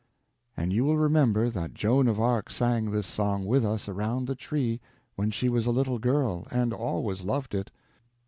And you will remember that Joan of Arc sang this song with us around the Tree when she was a little child, and always loved it.